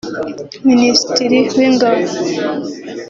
Minisitiri w’ingabo